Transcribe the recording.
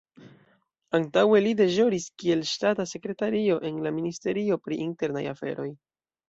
Antaŭe li deĵoris kiel ŝtata sekretario en la Ministerio pri internaj aferoj.